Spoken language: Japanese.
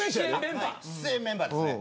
出演メンバーですね。